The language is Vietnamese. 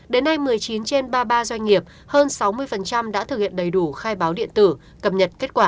đến nay một mươi chín trên ba mươi ba doanh nghiệp hơn sáu mươi đã thực hiện đầy đủ khai báo điện tử cập nhật kết quả